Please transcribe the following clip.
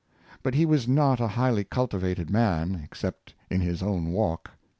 But he was not a highly cultivated man, ex cept in his own walk.